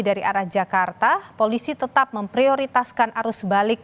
dari arah jakarta polisi tetap memprioritaskan arus balik